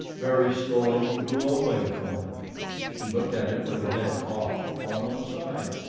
Very slowly he drew away from her. She looked at him with her head cocked upon one side.